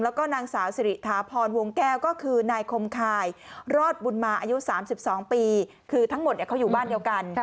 แล้วก็นางสาวสิริธาพรฮวงแก้วก็คือนายคมคายรอดบุญมาอายุ๓๒ปี